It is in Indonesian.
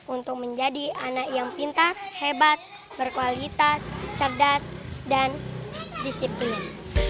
untuk menjadi anak yang pintar hebat berkualitas cerdas dan disiplin